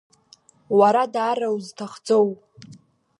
Уара даара узҭахӡоу!